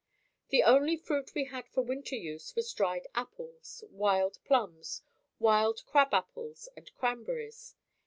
The only fruit we had for winter use was dried apples, wild plums, wild crab apples and cranberries.